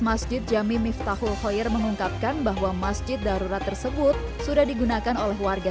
masjid jami miftahul khoir mengungkapkan bahwa masjid darurat tersebut sudah digunakan oleh warga